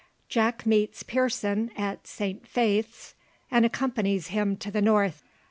JACK MEETS PEARSON AT SAINT FAITH'S AND ACCOMPANIES HIM TO THE NORTH.